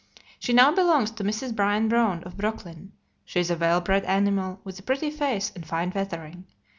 She now belongs to Mrs. Brian Brown, of Brooklyn. She is a well bred animal, with a pretty face and fine feathering.